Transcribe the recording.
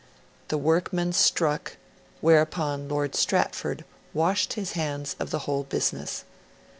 The workmen struck; whereupon Lord Stratford washed his hands of the whole business.